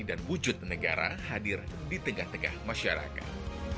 dan wujud negara hadir di tengah tengah masyarakat